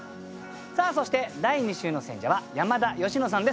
さあそして第２週の選者は山田佳乃さんです。